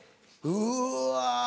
うわ。